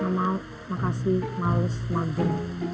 makasih males mabing